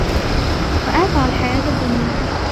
وآثر الحياة الدنيا